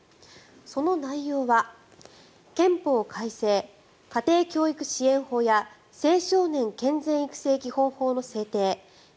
その内容は憲法改正、家庭教育支援法や青少年健全育成基本法の制定